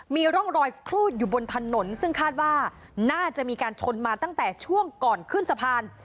มีร่องรอยครูดอยู่บนถนนซึ่งคาดว่าน่าจะมีการชนมาตั้งแต่ช่วงก่อนขึ้นสะพาน